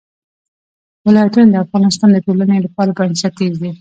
ولایتونه د افغانستان د ټولنې لپاره بنسټیز دي.